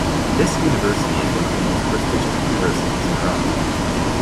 This university is one of the most prestigious universities in Iran.